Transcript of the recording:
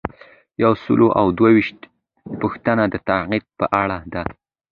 یو سل او دوه ویشتمه پوښتنه د تقاعد په اړه ده.